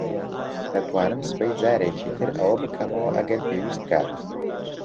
دەتوانم سبەی جارێکی تر ئەوە بکەمەوە ئەگەر پێویست بکات.